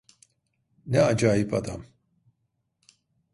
Ne acayip adam.